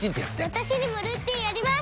私にもルーティンあります！